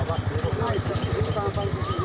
มันมีผู้แห่งภาย